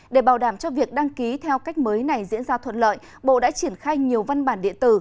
để bảo đảm cho việc đăng ký theo cách mới này diễn ra thuận lợi bộ đã triển khai nhiều văn bản điện tử